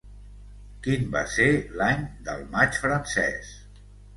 Quin va ser l'any del maig francès?